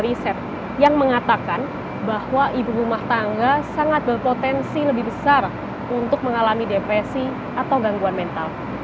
sampai sampai saya menemukan sebuah riset yang mengatakan bahwa ibu rumah tangga sangat berpotensi lebih besar untuk mengalami depresi atau gangguan mental